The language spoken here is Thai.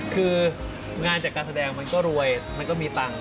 คืองานจากการแสดงมันก็รวยมันก็มีตังค์